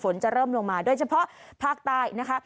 ฝนจะเริ่มลงมาโดยเฉพาะภาคใต้นะคะ